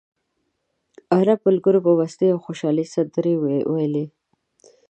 عرب ملګرو په مستۍ او خوشالۍ سندرې وویلې.